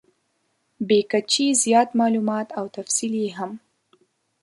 بې کچې زیات مالومات او تفصیل یې هم .